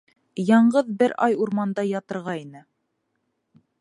— Яңғыҙ бер ай урманда ятырға ине.